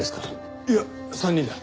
いや３人だ。